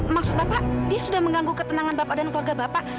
maksud bapak dia sudah mengganggu ketenangan bapak dan keluarga bapak